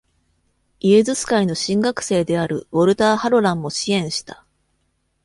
イエズス会の神学生であるウォルター・ハロランも支援した。